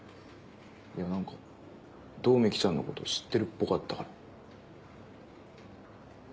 いや何か百目鬼ちゃんのこと知ってるっぽかったから。